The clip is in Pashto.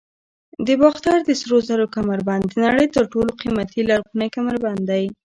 د باختر د سرو زرو کمربند د نړۍ تر ټولو قیمتي لرغونی کمربند دی